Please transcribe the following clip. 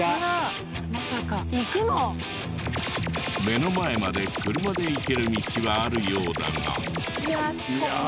目の前まで車で行ける道はあるようだが。